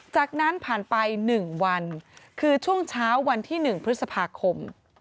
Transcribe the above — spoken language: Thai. จากนั้นผ่านไป๑วันคือช่วงเช้าวันที่๑พฤษภาคม